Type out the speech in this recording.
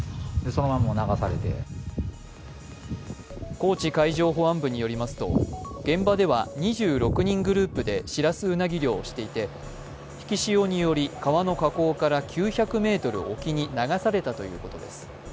高知海上保安部によりますと、現場では２６人グループでシラスウナギ漁をしていて引き潮により川の河口から９００ｍ沖に流されたということです。